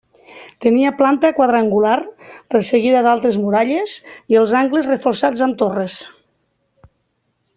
Tenia planta quadrangular resseguida d'altes muralles i els angles reforçats amb torres.